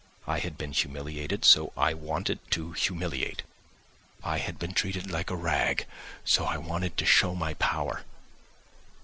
I had been humiliated, so I wanted to humiliate; I had been treated like a rag, so I wanted to show my power....